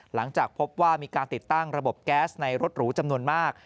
หลังจากพบว่ามีการติดตั้งระบบแก๊สในรถหรูจำนวนมาก